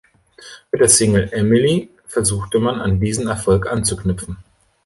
Mit der Single "Emily" versuchte man an diesen Erfolg anzuknüpfen.